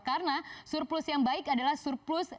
karena surplus yang baik adalah surplus